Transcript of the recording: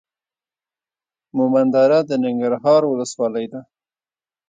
مومندره د ننګرهار ولسوالۍ ده.